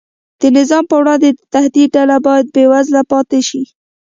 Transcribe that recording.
د نظام پر وړاندې د تهدید ډله باید بېوزله پاتې شي.